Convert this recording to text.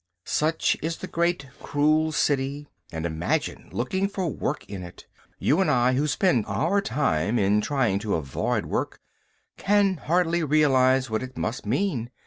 Such is the great cruel city, and imagine looking for work in it. You and I who spend our time in trying to avoid work can hardly realise what it must mean.